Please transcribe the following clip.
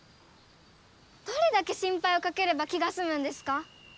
どれだけしんぱいをかければ気がすむんですか。